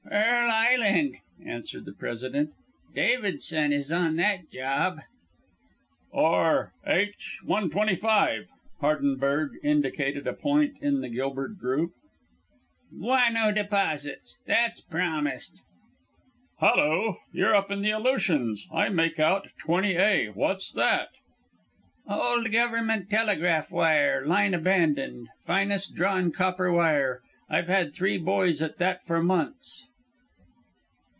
"Pearl Island," answered the President. "Davidson is on that job." "Or H. 125?" Hardenberg indicated a point in the Gilbert group. "Guano deposits. That's promised." "Hallo! You're up in the Aleutians. I make out. 20 A. what's that?" "Old government telegraph wire line abandoned finest drawn copper wire. I've had three boys at that for months."